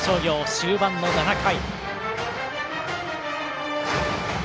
終盤の７回。